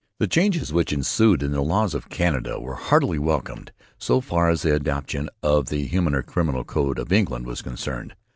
The changes which ensued in the laws of Canada were heartily welcomed so far as the adoption of the humaner criminal code of England was concerned.